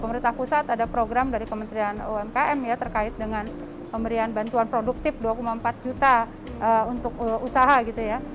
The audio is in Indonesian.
pemerintah pusat ada program dari kementerian umkm ya terkait dengan pemberian bantuan produktif dua empat juta untuk usaha gitu ya